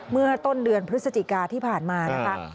เมื่อต้นเดือนพฤศจิกาที่ผ่านมานะคะ